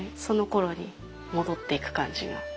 そのころに戻っていく感じが。